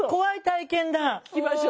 聞きましょう。